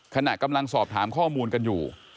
ขณะกำลังสอบถามข้อมูลกันอยู่